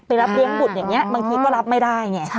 รับเลี้ยงบุตรอย่างนี้บางทีก็รับไม่ได้ไง